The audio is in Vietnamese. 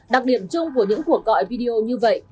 đặc điểm chung của những cuộc gọi video như vậy